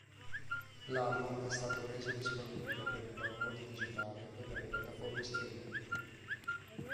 L'album è stato reso disponibile per il download digitale e per le piattaforme streaming.